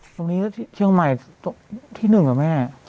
ตรงนี้เชียงใหม่ที่๑หรือไม่